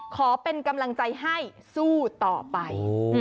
ขอเป็นกำลังใจให้สู้ต่อไป